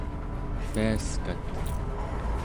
piaskat